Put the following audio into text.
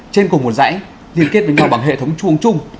trên cùng một dãy liên kết với nhau bằng hệ thống chuông chung